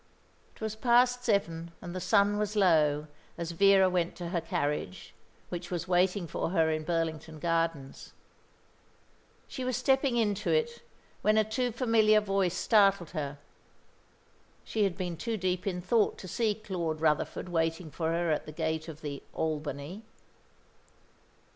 It was past seven, and the sun was low, as Vera went to her carriage, which was waiting for her in Burlington Gardens. She was stepping into it, when a too familiar voice startled her. She had been too deep in thought to see Claude Rutherford waiting for her at the gate of the "Albany."